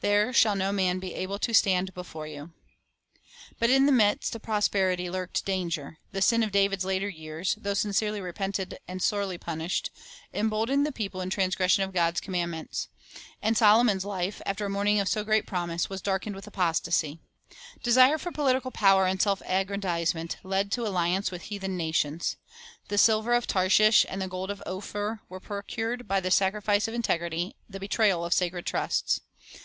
There shall no man be able to stand before you." 3 But in the midst of prosperity lurked danger. The sin of David's later years, though sincerely repented of 1 Ps. ng : 104 112. 2 Acts 13 'Deut. 11 : 22 25. The Schools of the Prophets 49 and sorely punished, emboldened the people in trans gression of God's commandments. And Solomon's life, after a morning of so great promise, was darkened with apostasy. Desire for political power and self aggrandizement led to alliance with heathen nations. The silver of Tarshish and the gold of Ophir were pro cured by the sacrifice of integrity, the betrayal of sacred trusts.